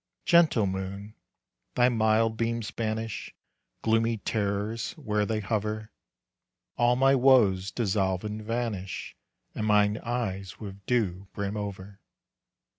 Gentle moon, thy mild beams banish Gloomy terrors where they hover. All my woes dissolve and vanish, And mine eyes with dew brim over.